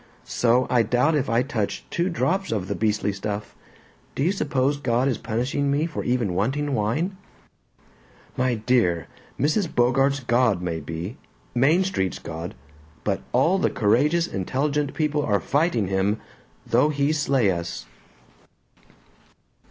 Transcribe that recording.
So I doubt if I touched two drops of the beastly stuff. Do you suppose God is punishing me for even wanting wine?" "My dear, Mrs. Bogart's god may be Main Street's god. But all the courageous intelligent people are fighting him ... though he slay us."